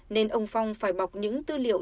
nên ông phong phải bọc những tư liệu